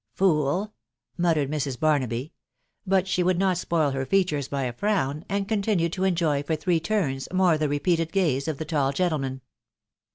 " Fool !".... muttered Mrs* Barnahy ; but she would net spoil her features by a frown, and continued to enjoy for three .turns more the repeated gaze of the tall gentleman.